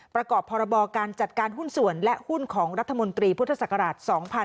ประกอบพรบการจัดการหุ้นส่วนและหุ้นของรัฐมนตรีพุทธศักราช๒๕๖๒